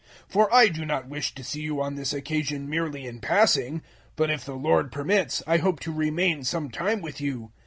016:007 For I do not wish to see you on this occasion merely in passing; but if the Lord permits, I hope to remain some time with you.